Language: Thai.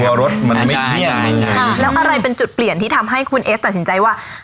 เดี๋ยวรถมันไม่เที่ยงใช่แล้วอะไรเป็นจุดเปลี่ยนที่ทำให้คุณเอสตัดสินใจว่า